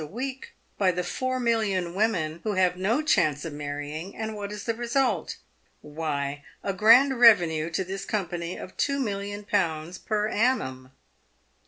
a week by the four million women who have no chance of marrying, and what is the re sult ? Why, a grand revenue to this company of two million pounds per annum."